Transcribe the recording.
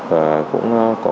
và cũng có